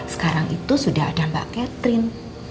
sekarang itu sudah ada mbak catherine